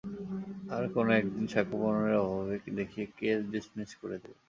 আর কোনো একদিন সাক্ষ্যপ্রমাণের অভাব দেখিয়ে কেস ডিসমিস করে দেবে।